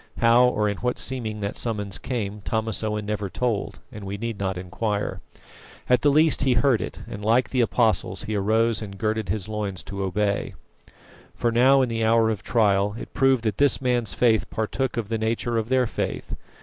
How or in what seeming that summons came Thomas Owen never told, and we need not inquire. At the least he heard it, and, like the Apostles, he arose and girded his loins to obey. For now, in the hour of trial, it proved that this man's faith partook of the nature of their faith.